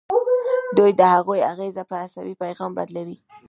دوی د هغوی اغیزه په عصبي پیغام بدلوي.